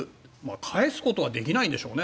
帰すことはできないんでしょうね。